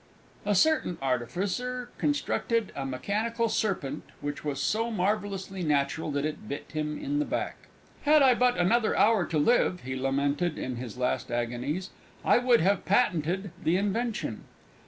A certain Artificer constructed a mechanical Serpent which was so marvellously natural that it bit him in the back. "Had I but another hour to live," he lamented in his last agonies, "I would have patented the invention!"